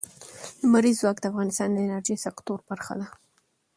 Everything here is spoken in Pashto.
لمریز ځواک د افغانستان د انرژۍ سکتور برخه ده.